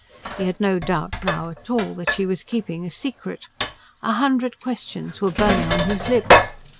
He had no doubt now at all that she was keeping a secret. A hundred questions were burning on his lips.